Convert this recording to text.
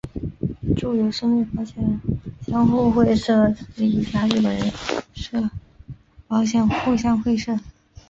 住友生命保险相互会社是一家日本人寿保险相互会社。